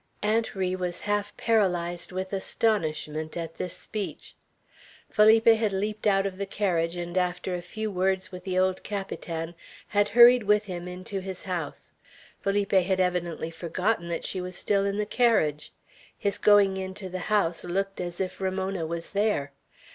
Aunt Ri was half paralyzed with astonishment at this speech. Felipe had leaped out of the carriage, and after a few words with the old Capitan, had hurried with him into his house. Felipe had evidently forgotten that she was still in the carriage. His going into the house looked as if Ramona was there.